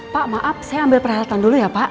pak maaf saya ambil perhelatan dulu ya pak